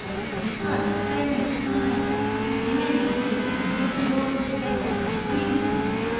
実は撮影の５日前地面に落ちていたセミを拾おうとしてギックリ腰に。